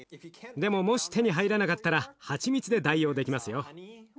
でももし手に入らなかったらはちみつで代用できますよ。